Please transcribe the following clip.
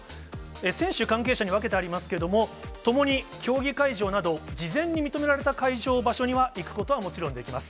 選手、関係者に分けてありますけれども、ともに競技会場など事前に認められた会場、場所には行くことはもちろんできます。